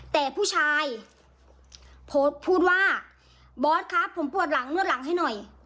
แต่ผู้ชายโพสต์พูดว่าบอสครับผมปวดหลังนวดหลังให้หน่อย